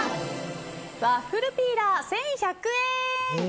ワッフルピーラー、１１００円。